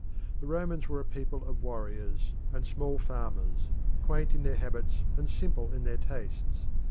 The Romans were a people of warriors and small farmers, quaint in their habits and simple in their tastes.